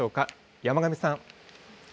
山神さん。